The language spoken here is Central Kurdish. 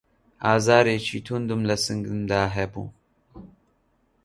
ئازارێکی توندم له سنگمدا هەبوو